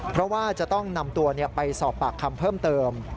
เพราะว่าจะต้องนำตัวไปสอบปากคำเพิ่มเติม